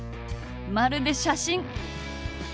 まるで写真！